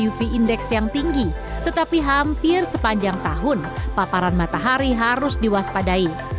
uv index yang tinggi tetapi hampir sepanjang tahun paparan matahari harus diwaspadai